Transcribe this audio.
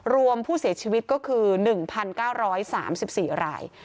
รวมผู้เสียชีวิตก็คือ๑๙๓๔ราย